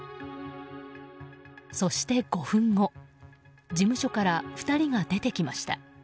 そして、５分後事務所から２人が出てきました。